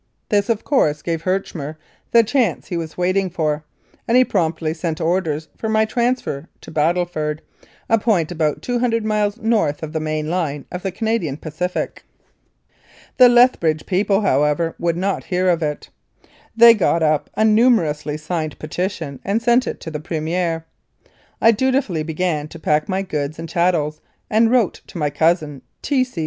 This, of course, gave Herchmer the chance he was waiting for, and he promptly sent orders for my transfer to Battleford, a point about 200 miles north of the main line of the Canadian Pacific. The Lethbridge people, however, would not hear of it. They got up a numerously signed petition and sent it to the Premier. I dutifully began to pack my goods and chattels, and wrote to my cousin, T. C.